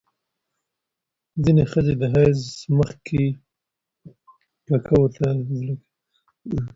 ځینې ښځې د حیض مخکې ککو ته زړه کوي.